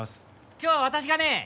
今日は私がね